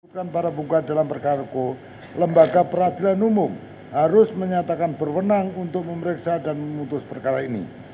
untuk para punggung dalam perkara keu lembaga peradilan umum harus menyatakan berwenang untuk memeriksa dan memutus perkara ini